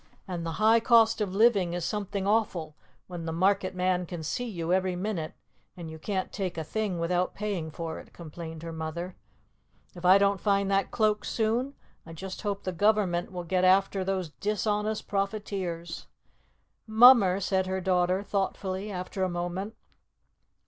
"And the High Cost of Living is something awful when the market man can see you every minute, and you can't take a thing without paying for it," complained her mother. "If I don't find that Cloak soon, I just hope the government will get after those dishonest profiteers." "Mummer," said her daughter, thoughtfully, after a moment.